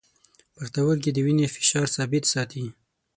پښتورګي د وینې فشار ثابت ساتي.